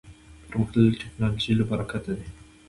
پرمختللې ټکنالوژۍ له برکته دی.